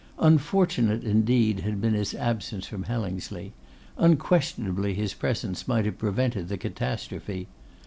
Unfortunate, indeed, had been his absence from Hellingsley; unquestionably his presence might have prevented the catastrophe.